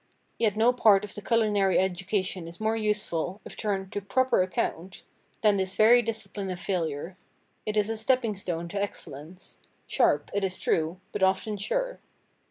Yet no part of the culinary education is more useful, if turned to proper account, than this very discipline of failure. It is a stepping stone to excellence—sharp, it is true, but often sure.